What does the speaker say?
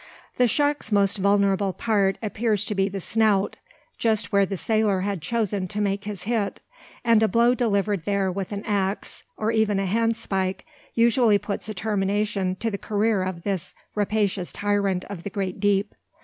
The shark's most vulnerable part appears to be the snout, just where the sailor had chosen to make his hit; and a blow delivered there with an axe, or even a handspike, usually puts a termination to the career of this rapacious tyrant of the great deep.